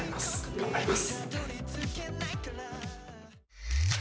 頑張ります。